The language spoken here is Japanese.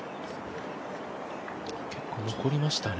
結構残りましたね。